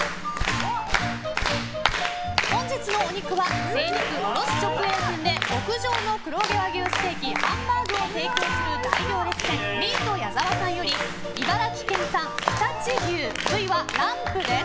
本日のお肉は精肉卸直営店で極上の黒毛和牛ステーキハンバーグを提供する大行列店ミート矢澤さんより茨城県産、常陸牛部位はランプです。